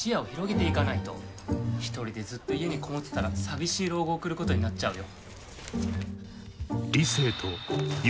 一人でずっと家に籠もってたら寂しい老後を送ることになっちゃうよ。